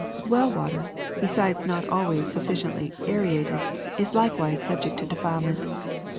^^ Well water, besides being not always sufficiently aerated, is likewise subject to defilement.